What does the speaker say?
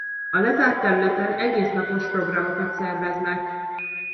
A lezárt területen egész napos programokat szerveznek.